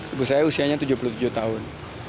ibu saya usianya tujuh puluh tujuh tahun